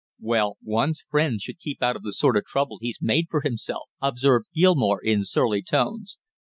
"Well, one's friends should keep out of the sort of trouble he's made for himself," observed Gilmore in surly tones.